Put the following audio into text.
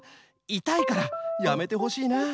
いたいからやめてほしいなあ。